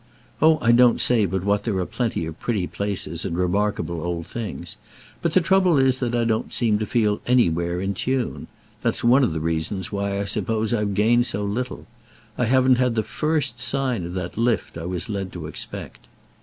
Oh I don't say but what there are plenty of pretty places and remarkable old things; but the trouble is that I don't seem to feel anywhere in tune. That's one of the reasons why I suppose I've gained so little. I haven't had the first sign of that lift I was led to expect."